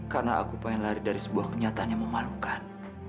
karena aku ingin lari dari sebuah kenyataan yang memalukan